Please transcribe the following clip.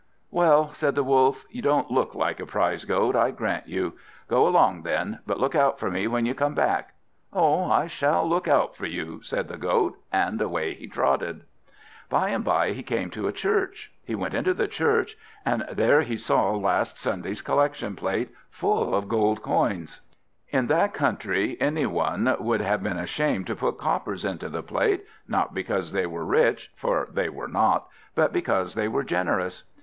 "Well," said the Wolf, "you don't look like a prize Goat, I grant you. Go along then, but look out for me when you come back." "Oh, I shall look out for you!" said the Goat, and away he trotted. By and by he came to a church. He went into the church, and there he saw last Sunday's collection plate, full of gold coins. In that country, any one would have been ashamed to put coppers into the plate, not because they were rich, for they were not, but because they were generous.